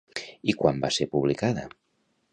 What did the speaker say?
I quan va ser publicada?